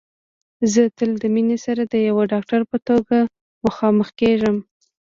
زه تل د مينې سره د يوه ډاکټر په توګه مخامخېږم